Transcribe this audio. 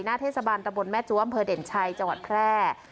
เทศบาลตะบนแม่จัวอำเภอเด่นชัยจังหวัดแพร่